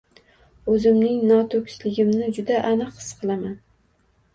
O‘zimning noto‘kisligimni juda aniq his qilaman.